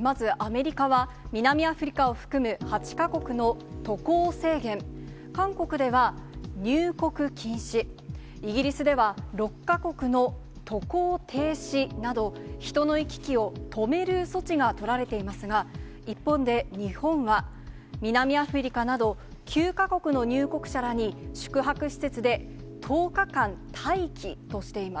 まず、アメリカは南アフリカを含む８か国の渡航制限、韓国では入国禁止、イギリスでは、６か国の渡航停止など、人の行き来を止める措置が取られていますが、一方で日本は南アフリカなど９か国の入国者らに、宿泊施設で１０日間待機としています。